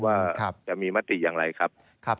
ว่าจะมีมติอย่างไรครับ